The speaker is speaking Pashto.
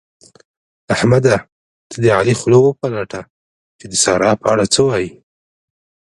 احمده! ته د علي خوله وپلټه چې د سارا په اړه څه وايي؟